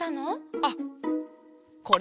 あっこれ。